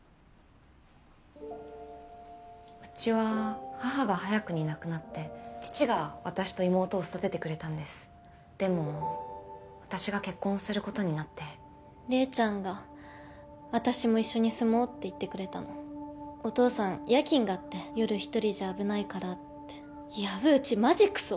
うちは母が早くに亡くなって父が私と妹を育ててくれたんですでも私が結婚をすることになって礼ちゃんが私も一緒に住もうって言ってくれたのお父さん夜勤があって夜一人じゃ危ないからって薮内マジクソ！